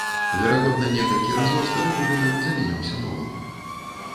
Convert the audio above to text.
Верагодна некалькі разоў стары будынак замяняўся новым.